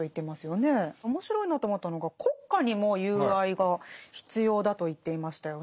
面白いなと思ったのが国家にも友愛が必要だと言っていましたよね。